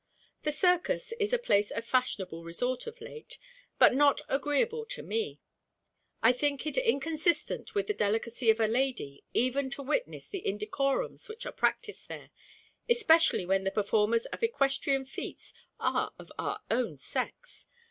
The circus is a place of fashionable resort of late, but not agreeable to me. I think it inconsistent with the delicacy of a lady even to witness the indecorums which are practised there, especially when the performers of equestrian feats are of our own sex.